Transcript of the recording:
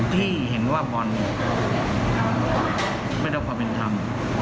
ที่เห็นว่าบอลไม่ได้รับความเป็นธรรม